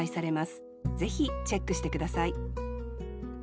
ぜひチェックして下さい